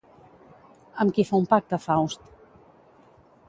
Amb qui fa un pacte Faust?